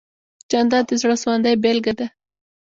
جانداد د زړه سواندۍ بېلګه ده.